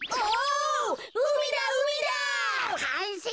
お？